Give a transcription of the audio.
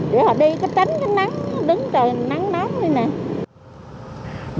để họ đi tránh nắng đứng trời nắng nóng đi nè